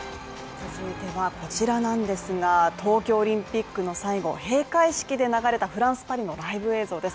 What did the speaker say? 続いてはこちらなんですが東京オリンピックの最後閉会式で流れたフランスパリのライブ映像です。